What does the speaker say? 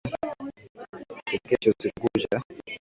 Tulikesha usiku kucha